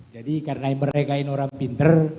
jadi karena mereka orang pintar